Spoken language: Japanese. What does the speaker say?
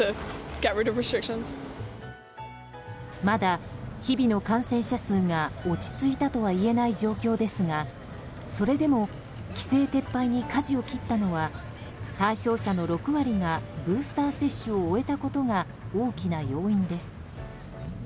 まだ日々の感染者数が落ち着いたとは言えない状況ですがそれでも規制撤廃にかじを切ったのは対象者の６割がブースター接種を終えたことが大きな要因です。